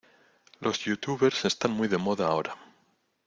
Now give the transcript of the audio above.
Los youtubers están muy de moda ahora